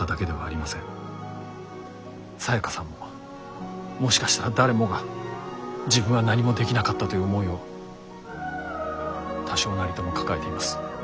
サヤカさんももしかしたら誰もが自分は何もできなかったという思いを多少なりとも抱えています。